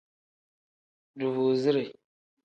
Duvuuzire.